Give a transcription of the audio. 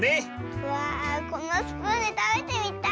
うわこのスプーンでたべてみたい。